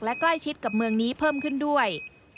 และใกล้ชิดกับเมืองนี้เพิ่มขึ้นด้วย